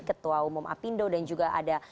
ketua umum apindo dan juga ada